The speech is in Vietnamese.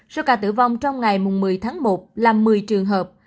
số ca tử vong trong ngày một mươi tháng một là một mươi trường hợp